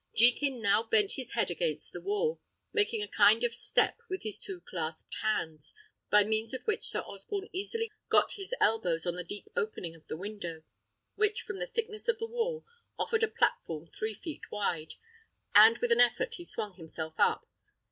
Jekin now bent his head against the wall, making a kind of step with his two clasped hands, by means of which Sir Osborne easily got his elbows on the deep opening of the window, which, from the thickness of the wall, offered a platform three feet wide, and with an effort he swung himself up.